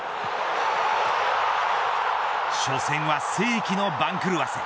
初戦は世紀の番狂わせ